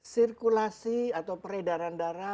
sirkulasi atau peredaran darah